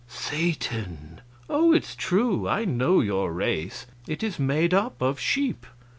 "Satan!" "Oh, it's true. I know your race. It is made up of sheep.